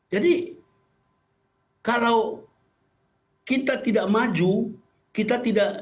jadi kalau kita tidak maju kita tidak move on